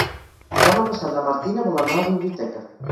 Demà passat na Martina vol anar a la biblioteca.